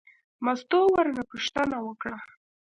مستو ورنه پوښتنه وکړه.